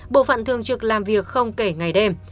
bộ phận thường trực làm việc không kể ngày đêm